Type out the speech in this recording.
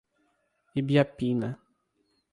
Ibiapina